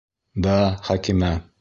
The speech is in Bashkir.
Да, Хәкимә!